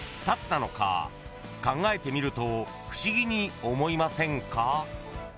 ［考えてみると不思議に思いませんか？］